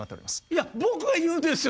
いや僕が言うんですよ